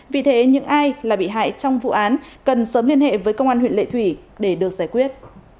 vì thế những ai là bị hại trong vụ án cần sớm liên hệ với công an huyện lệ thủy để được giải quyết